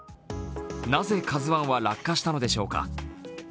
なぜ「ＫＡＺＵⅠ」は落下したのでしょうか？